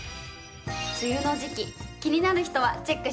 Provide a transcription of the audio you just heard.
梅雨の時期気になる人はチェックしてくださいね。